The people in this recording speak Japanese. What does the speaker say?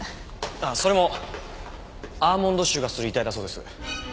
あっそれもアーモンド臭がする遺体だそうです。